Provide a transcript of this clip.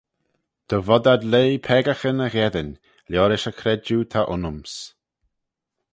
Dy vod ad leih peccaghyn y gheddyn, liorish y credjue ta aynyms.